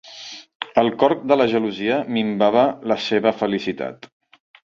El corc de la gelosia minava la seva felicitat.